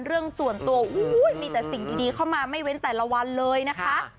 เรื่องส่วนตัวมีแต่สิ่งดีเข้ามาไม่เว้นแต่ละวันเลยนะคะ